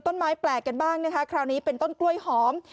ต้นไม้แปลกกันบ้างคราวนี้เป็นต้นกล้วยหอม